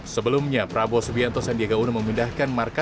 sebelumnya prabowo subianto